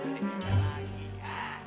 nih ada lagi ya